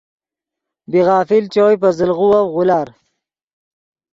بی غافل چوئے پے زل غووف غولار